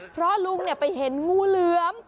เพราะลุงไปเห็นงูเหลือม